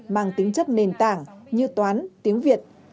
mang tính chất nền tảng như toán tiếng việt